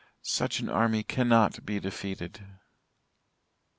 Such an army cannot be defeated.